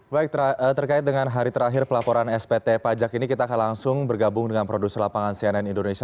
baik terkait dengan hari terakhir pelaporan spt pajak ini kita akan langsung bergabung dengan produser lapangan cnn indonesia